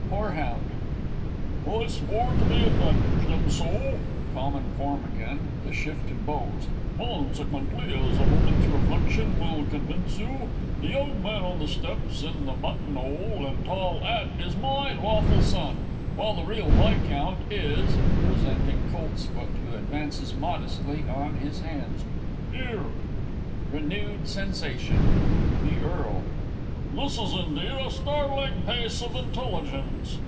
Horeh. I swore to be avenged, and so (common form again; the shifted bows) consequently, as a moment's reflection will convince you, the young man on the steps, in the button 'ole and tall 'at, is my lawful son, while the real Viscount is (presenting COLTSFOOT, who advances modestly on his hands) 'ere! [Renewed sensation. The Earl. This is indeed a startling piece of intelligence.